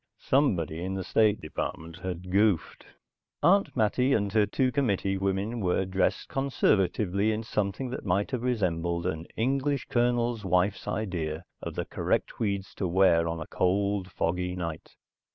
Somebody in the State Department had goofed. Aunt Mattie and her two committee women were dressed conservatively in something that might have resembled an English Colonel's wife's idea of the correct tweeds to wear on a cold, foggy night.